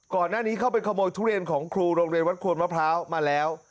ก่อนหน้านี้เขาเป็นขโมยทุเรียนของครูโรงเรียนวัดควรมะพร้าวมาแล้ว